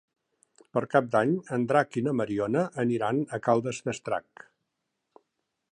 Per Cap d'Any en Drac i na Mariona aniran a Caldes d'Estrac.